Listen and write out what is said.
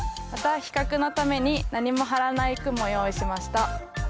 また比較のために何も張らない区も用意しました。